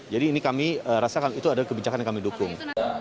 jadi ini kami rasakan itu adalah kebijakan yang kami dukung